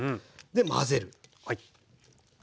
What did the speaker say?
混ぜる。